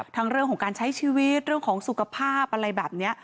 เรื่องของการใช้ชีวิตเรื่องของสุขภาพอะไรแบบนี้